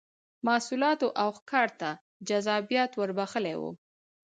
محصولاتو او ښکار ته جذابیت ور بخښلی و